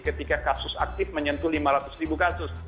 ketika kasus aktif menyentuh lima ratus ribu kasus